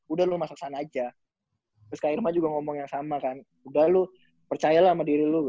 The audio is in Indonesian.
udah lu masak sana aja terus kak irma juga ngomong yang sama kan udah lu percayalah sama diri lu